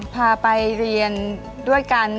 พาไปเรียนด้วยกัน